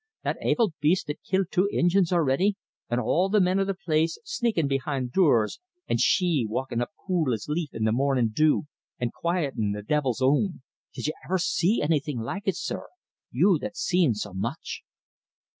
That avil baste that's killed two Injins already an' all the men o' the place sneakin' behind dures, an' she walkin' up cool as leaf in mornin' dew, an' quietin' the divil's own! Did ye iver see annything like it, sir you that's seen so much?"